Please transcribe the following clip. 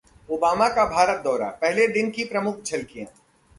Obama का भारत दौरा: पहले दिन की प्रमुख झलकियां